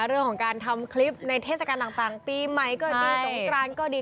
เรื่องของการทำคลิปในเทศกาลต่างปีใหม่ก็ดีสงกรานก็ดี